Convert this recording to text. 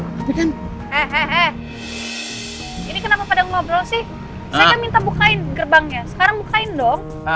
hei hei hei ini kenapa pada ngobrol sih saya kan minta bukain gerbangnya sekarang bukain dong